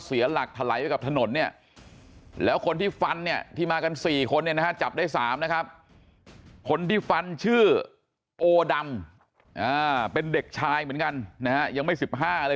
เสียหลักถลายไปกับถนนเนี่ยแล้วคนที่ฟันเนี่ยที่มากัน๔คนเนี่ยนะฮะจับได้๓นะครับคนที่ฟันชื่อโอดำเป็นเด็กชายเหมือนกันนะฮะยังไม่๑๕เลย